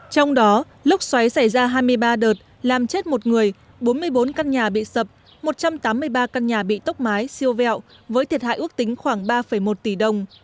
trong đó lốc xoáy xảy ra hai mươi ba đợt làm chết một người bốn mươi bốn căn nhà bị sập một trăm tám mươi ba căn nhà bị tốc mái siêu vẹo với thiệt hại ước tính khoảng ba một tỷ đồng